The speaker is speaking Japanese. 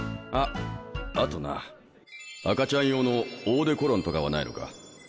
ああとな赤ちゃん用のオーデコロンとかはないのか？